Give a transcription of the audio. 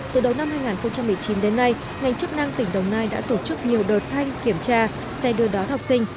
từ đầu năm hai nghìn một mươi chín đến nay ngành chức năng tỉnh đồng nai đã tổ chức nhiều đợt thanh kiểm tra xe đưa đón học sinh